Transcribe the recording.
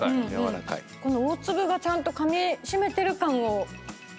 この大粒がちゃんとかみしめてる感を。